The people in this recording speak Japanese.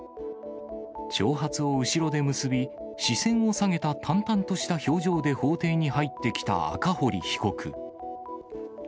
長髪を後ろで結び、視線を下げた淡々とした表情で法廷に入ってきた赤堀被告。